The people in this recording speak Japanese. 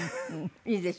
いいですよでも。